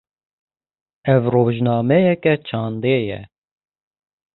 Ev, rojnameyeke çandê ye.